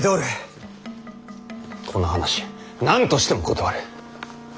この話何としても断れ！